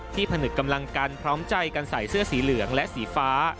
ผนึกกำลังกันพร้อมใจกันใส่เสื้อสีเหลืองและสีฟ้า